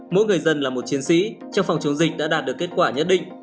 mỗi người dân là một chiến sĩ trong phòng chống dịch đã đạt được kết quả nhất định